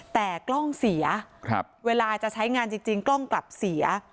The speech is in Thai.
แต่กล้องเสียเวลาจะใช้งานจริงกล้องกลับเสีย